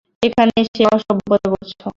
এখানে এসে অসভ্যতা করছো।